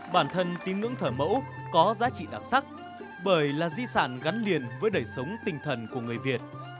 bản thân tiến ngưỡng thở mẫu có giá trị đặc sắc bởi là di sản gắn liền với đẩy sống tinh thần của người việt